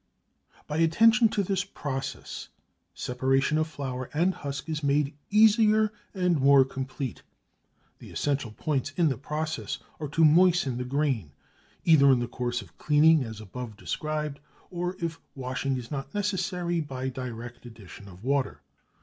By attention to this process separation of flour and husk is made easier and more complete. The essential points in the process are to moisten the grain, either in the course of cleaning as above described, or if washing is not necessary, by direct addition of water.